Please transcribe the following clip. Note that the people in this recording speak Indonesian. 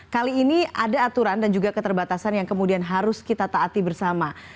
kali ini ada aturan dan juga keterbatasan yang kemudian harus kita taati bersama